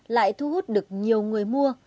lại thu hút được nhiều người mua